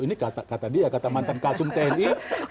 ini kata dia kata mantan kasum tni dua ribu sebelas dua ribu dua belas